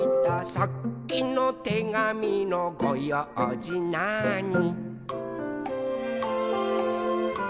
「さっきのてがみのごようじなーに」